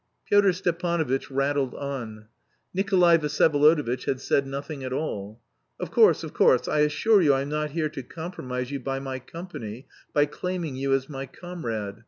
'" Pyotr Stepanovitch rattled on. (Nikolay Vsyevolodovitch had said nothing at all.) "Of course, of course. I assure you I'm not here to compromise you by my company, by claiming you as my comrade.